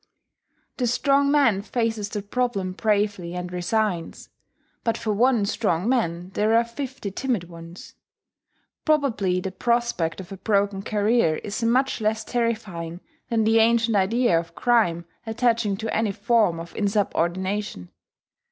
The strong man faces the problem bravely and resigns; but for one strong man there are fifty timid ones. Probably the prospect of a broken career is much less terrifying than the ancient idea of crime attaching to any form of insubordination.